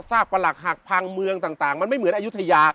ประหลักหักพังเมืองต่างมันไม่เหมือนอายุทยา